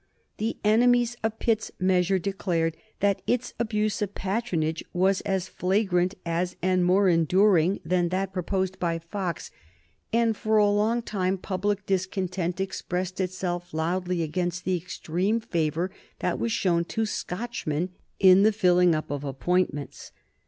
The enemies of Pitt's measure declared that its abuse of patronage was as flagrant as and more enduring than that proposed by Fox, and for a long time public discontent expressed itself loudly against the extreme favor that was shown to Scotchmen in the filling up of appointments.